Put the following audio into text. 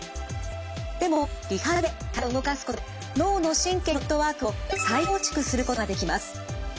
でもリハビリで体を動かすことで脳の神経のネットワークを再構築することができます。